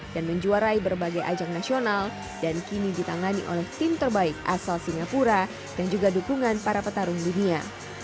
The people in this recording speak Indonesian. dan menjuarai berbagai ajang nasional dan kini ditangani oleh tim terbaik asal singapura dan juga dukungan para petarung dunia